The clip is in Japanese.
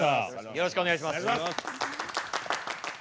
よろしくお願いします。